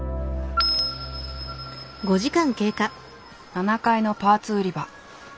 ７階のパーツ売り場。